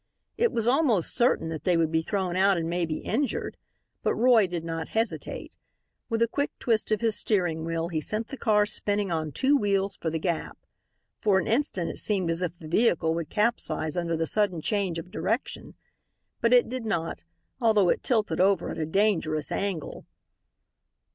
It was almost certain that they would be thrown out and maybe injured. But Roy did not hesitate. With a quick twist of his steering wheel he sent the car spinning on two wheels for the gap. For an instant it seemed as if the vehicle would capsize under the sudden change of direction. But it did not, although it tilted over at a dangerous angle.